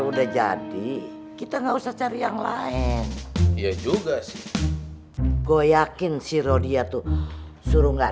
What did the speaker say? udah jadi kita nggak usah cari yang lain iya juga sih gue yakin siro dia tuh suruh nggak